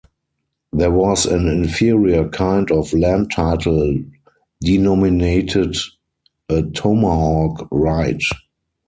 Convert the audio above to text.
There was an inferior kind of land title denominated a tomahawk right.